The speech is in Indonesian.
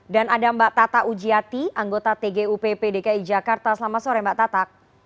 dan ada mbak tata ujiati anggota tgupp dki jakarta selamat sore mbak tata